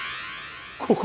ここ？